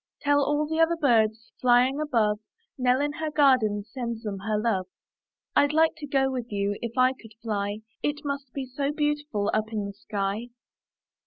Tell all the other birds, Flying above, Nell, in the garden. Sends them her love. rd like to go with you If I could fly; It must be so beautiful Up in the sky!